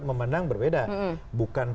memandang berbeda bukan